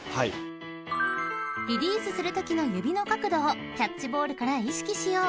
リリースするときの指の角度をキャッチボールから意識しよう］